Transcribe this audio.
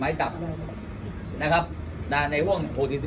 ได้เรียกว่า๗๔ไม้จับในห่วง๖๕นะครับ